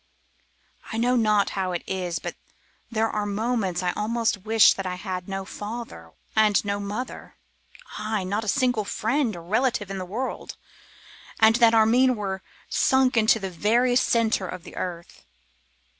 'I know not how it is, but there are moments I almost wish that I had no father and no mother; ay! not a single friend or relative in the world, and that Armine were sunk into the very centre of the earth.